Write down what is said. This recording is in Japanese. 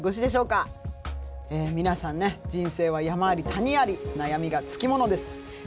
皆さんね人生は山あり谷あり悩みがつきものです。